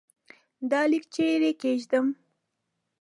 دا لیک چيري کښېږدم ؟